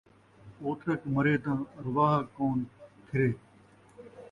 اوترک مرے تاں ارواح کون پھرے